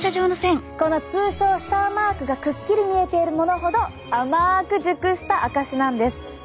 この通称スターマークがくっきり見えているものほど甘く熟した証しなんです。